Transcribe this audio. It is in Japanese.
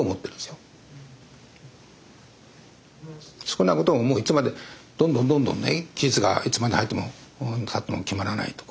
少なくとももういつまでどんどんどんどんね期日がいつまでたっても決まらないと。